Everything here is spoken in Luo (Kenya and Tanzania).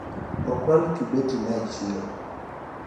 Okwal kibeti na e chiro